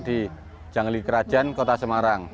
di jangli kerajaan kota semarang